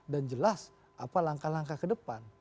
dan jelas apa langkah langkah kedepan